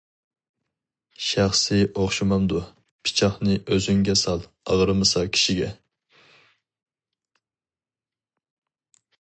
شەخسى ئوخشىمامدۇ؟ پىچاقنى ئۆزۈڭگە سال، ئاغرىمىسا كىشىگە.